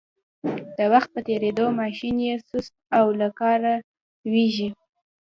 د وخت په تېرېدو ماشین یې سست او له کاره لویږي.